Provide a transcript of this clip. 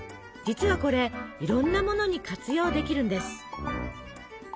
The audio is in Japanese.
実はこれいろんなものに活用できるんです。